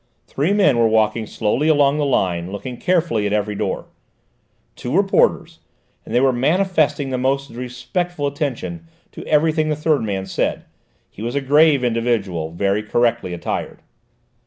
Three men were walking slowly along the line, looking carefully at every door. Two were porters, and they were manifesting the most respectful attention to everything the third man said: he was a grave individual, very correctly attired.